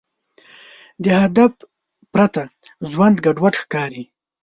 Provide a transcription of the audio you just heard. د هدف پرته ژوند ګډوډ ښکاري.